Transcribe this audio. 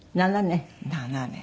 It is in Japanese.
７年。